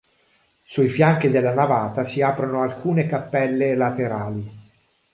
Sui fianchi della navata si aprono alcune cappelle laterali.